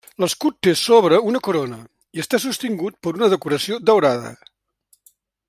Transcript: L'escut té sobre una corona i està sostingut per una decoració daurada.